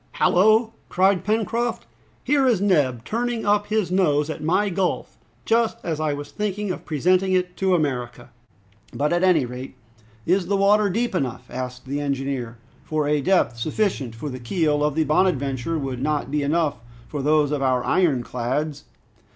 "Hallo!" cried Pencroft, "here is Neb turning up his nose at my gulf, just as I was thinking of presenting it to America!" "But, at any rate, is the water deep enough?" asked the engineer, "for a depth sufficient for the keel of the 'Bonadventure' would not be enough for those of our iron clads."